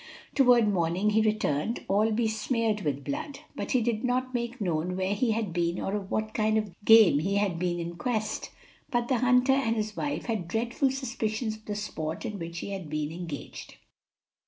Toward morning he returned, all besmeared with blood, but he did not make known where he had been or of what kind of game he had been in quest; but the hunter and his wife had dreadful suspicions of the sport in which he had been engaged.